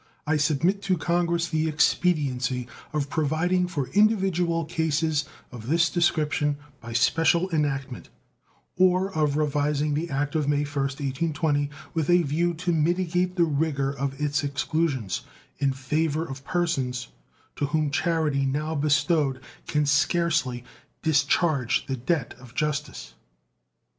I submit to Congress the expediency of providing for individual cases of this description by special enactment, or of revising the act of May 1st, 1820, with a view to mitigate the rigor of its exclusions in favor of persons to whom charity now bestowed can scarcely discharge the debt of justice.